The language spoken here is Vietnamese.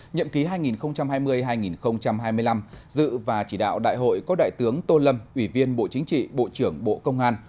nhậm ký hai nghìn hai mươi hai nghìn hai mươi năm dự và chỉ đạo đại hội có đại tướng tô lâm ủy viên bộ chính trị bộ trưởng bộ công an